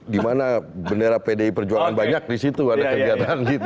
dimana bendera pdi perjuangan banyak di situ ada kegiatan gitu